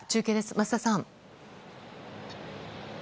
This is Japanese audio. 増田さん。